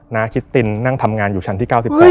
คิสตินนั่งทำงานอยู่ชั้นที่๙๔